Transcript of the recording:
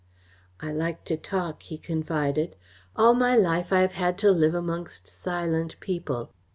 "I like to talk," he confided. "All my life I have had to live amongst silent people.